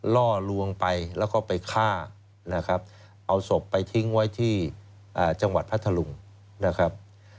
ล่อลวงไปแล้วก็ไปฆ่านะครับเอาศพไปทิ้งไว้ที่จังหวัดพัทธลุงนะครับ